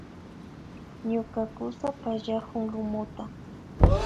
Ñuka kusa pallakun lumuta